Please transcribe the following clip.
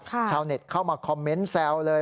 ชาวเน็ตเข้ามาคอมเมนต์แซวเลย